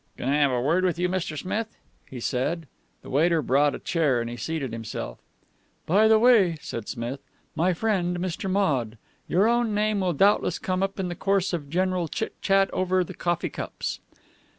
"Can I have a word with you, Mr. Smith?" he said. The waiter brought a chair and he seated himself. "By the way," said Smith, "my friend, Mr. Maude. Your own name will doubtless come up in the course of general chitchat over the coffee cups."